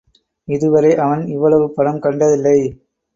இதுவரை அவன் இவ்வளவு பணம் கண்டதில்லை.